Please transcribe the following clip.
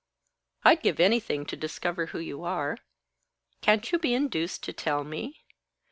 I'd give anything to discover who you are. Can't you be induced to tell me?